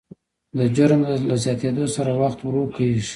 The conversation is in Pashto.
د جرم له زیاتېدو سره وخت ورو کېږي.